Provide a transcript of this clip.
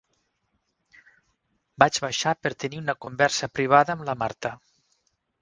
Vaig baixar per tenir una conversa privada amb la Martha.